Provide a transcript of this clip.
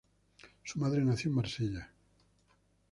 Su madre nació en Marsella.